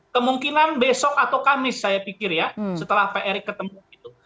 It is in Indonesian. kemungkinan besok atau kamis saya pikir ya setelah pak erick ketemu gitu